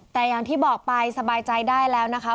แต่อย่างที่บอกไปสบายใจได้แล้วนะคะ